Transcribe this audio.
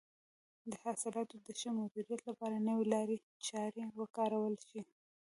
د حاصلاتو د ښه مدیریت لپاره نوې لارې چارې وکارول شي.